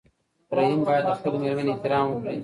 رحیم باید د خپلې مېرمنې احترام وکړي.